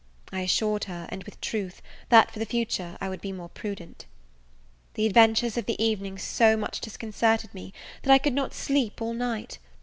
I assured her, and with truth, that for the future I would be more prudent. The adventures of the evening so much disconcerted me, that I could not sleep all night.